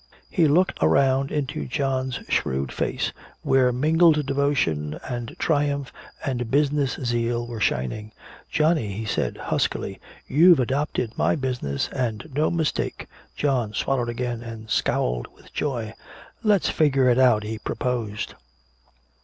He looked around into John's shrewd face, where mingled devotion and triumph and business zeal were shining. "Johnny," he said huskily, "you've adopted my business and no mistake." John swallowed again and scowled with joy. "Let's figure it out!" he proposed.